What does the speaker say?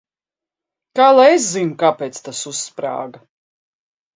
Kā lai es zinu, kāpēc tas uzsprāga?